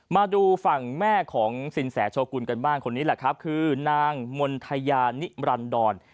มาดูฝั่งแม่ของสินแสโชกุลกันบ้างคนนี้แหละครับคือนางมณฑยานิรันดร